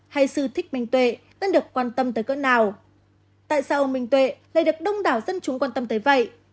hay sư thích mình tuệ vẫn được quan tâm tới cỡ nào tại sao ông bình tuệ lại được đông đảo dân chúng quan tâm tới vậy